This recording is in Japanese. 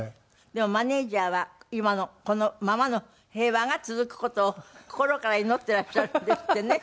でもマネジャーは今のこのままの平和が続く事を心から祈ってらっしゃるんですってね。